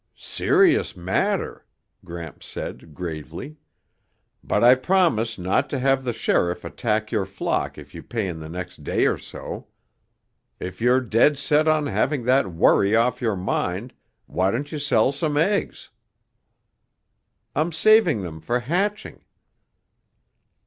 "Serious matter," Gramps said gravely. "But I promise not to have the sheriff attach your flock if you pay in the next day or so. If you're dead set on having that worry off your mind, why don't you sell some eggs?" "I'm saving them for hatching."